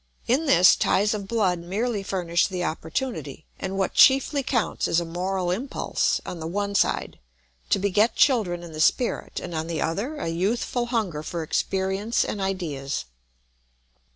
In this ties of blood merely furnish the opportunity, and what chiefly counts is a moral impulse, on the one side, to beget children in the spirit, and on the other a youthful hunger for experience and ideas.